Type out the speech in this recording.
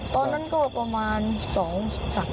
ตอนนั้นก็ประมาณ๒๓วัน